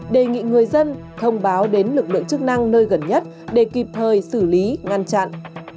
đề nghị người dân thông báo đến lực lượng chức năng nơi gần nhất để kịp thời xử lý ngăn chặn